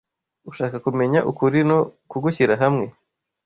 ushaka kumenya ukuri no kugushyira hamwe